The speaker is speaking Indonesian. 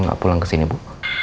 gak pulang kesini bu